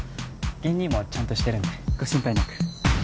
玄兄もちゃんとしてるんでご心配なく。